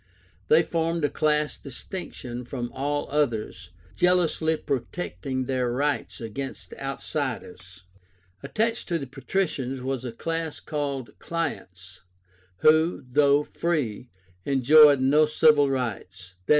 They formed a class distinct from all others, jealously protecting their rights against outsiders. Attached to the Patricians was a class called CLIENTS, who, though free, enjoyed no civil rights, i. e.